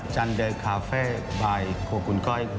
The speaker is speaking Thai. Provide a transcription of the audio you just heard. จันเดคาเฟ่บายโครคุณก้อย